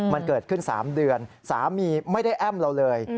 มันเกิดขึ้น๓เดือนสามีไม่ได้แอ้มเราเลย